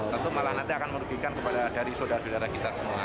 tentu malah nanti akan merugikan dari saudara saudara kita semua